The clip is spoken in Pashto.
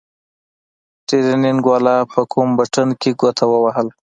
ټرېننگ والا په کوم بټن کښې گوته ووهله.